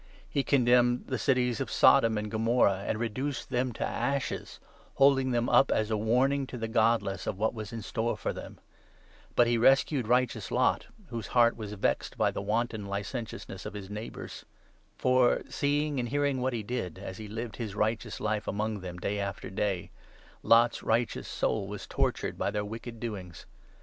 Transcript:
He condemned the cities of Sodom 6 and Gomorrah and reduced them to ashes, holding them up as a warning to the godless of what was in store for them ; but he 7 rescued righteous Lot, whose heart was vexed by the wanton licentiousness of his neighbours ; for, seeing and hearing what 8 he did, as he lived his righteous life among them, day after day, Lot's righteous soul was tortured by their wicked doings.